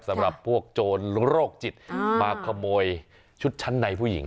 สำหรับพวกโจรโรคจิตมาขโมยชุดชั้นในผู้หญิง